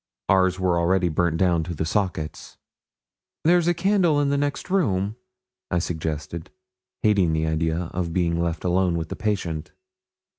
Ours were already burnt down to the sockets. 'There's a candle in the next room,' I suggested, hating the idea of being left alone with the patient.